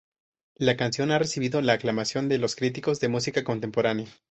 La canción ha recibido la aclamación de los críticos de música contemporánea.